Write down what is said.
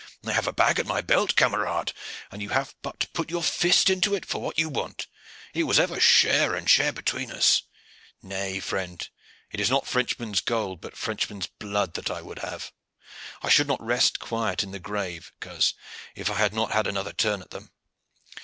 I have a bag at my belt, camarade, and you have but to put your fist into it for what you want. It was ever share and share between us." "Nay, friend, it is not the Frenchman's gold, but the Frenchman's blood that I would have. I should not rest quiet in the grave, coz, if I had not another turn at them.